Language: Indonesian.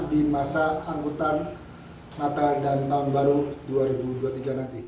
di masa angkutan natal dan tahun baru dua ribu dua puluh tiga nanti